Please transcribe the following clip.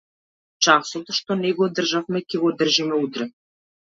Часот што не го одржавме ќе го одржиме утре.